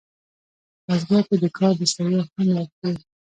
بزګر ته د کار د ستړیا خوند ورکړي